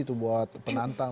itu buat penantang